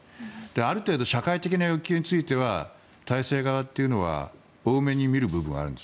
ある程度社会的な欲求については体制側は多めに見る部分があるんです。